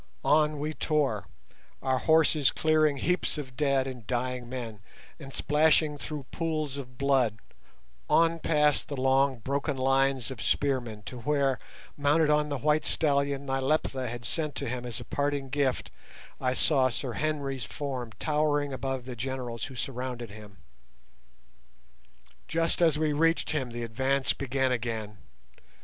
On we tore, our horses clearing heaps of dead and dying men, and splashing through pools of blood, on past the long broken lines of spearmen to where, mounted on the white stallion Nyleptha had sent to him as a parting gift, I saw Sir Henry's form towering above the generals who surrounded him. Just as we reached him the advance began again.